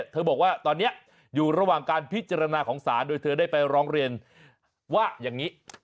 บอกว่าตอนนี้อยู่ระหว่างการพิจารณาของศาลโดยเธอได้ไปร้องเรียนว่าอย่างนี้